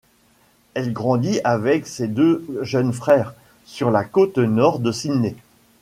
Elle grandit avec ses deux jeunes frères sur la côte nord de Sydney.